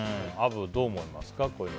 アブ、どう思いますか？